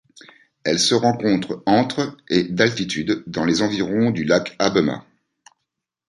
Elle se rencontre entre et d'altitude dans les environs du lac Habbema.